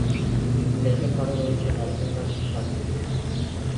লেকের পাড়ে রয়েছে নারিকেল গাছের সারি।